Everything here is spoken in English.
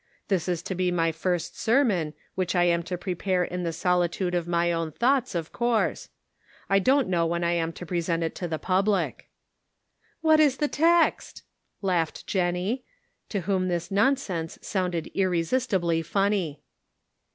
This is to be my first sermon, which I am to prepare in the solitude of my own thoughts, 128 The Pocket Measure. of course. I don't know when I am to present it to the public." " What is the ' text ?" laughed Jennie, to whom this nonsense sounded irresistibly funny.